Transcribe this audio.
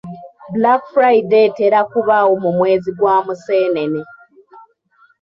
Black Friday etera kubaawo mu mwezi gwa Museenene.